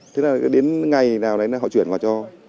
thế là đến ngày nay thì mình đặt